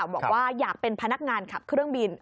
บอกว่าอยากเป็นพนักงานขับเครื่องบิน